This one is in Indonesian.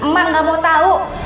mak gak mau tau